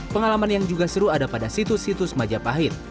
pengalaman yang juga seru ada pada situs situs majapahit